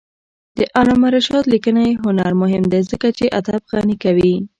د علامه رشاد لیکنی هنر مهم دی ځکه چې ادب غني کوي.